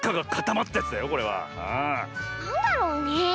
なんだろうねえ。